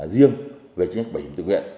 riêng về chính sách bảo hiểm tự nguyện